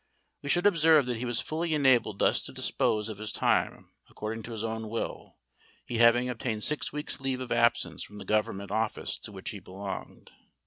We should observe that he was fully enabled thus to dispose of his time according to his own will, he having obtained six weeks' leave of absence from the Government Office to which he belonged.